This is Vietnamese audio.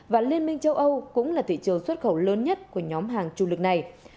và liên minh châu âu cũng là thị trường xuất khẩu lớn nhất của nhóm hàng chủ lực này